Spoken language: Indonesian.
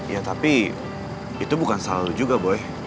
iya tapi itu bukan salah lu juga boy